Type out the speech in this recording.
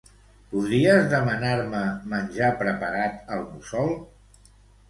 Podries demanar-me menjar preparat al Mussol?